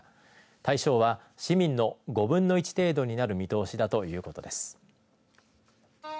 対象は市民の５分の１程度になる見通しだということです。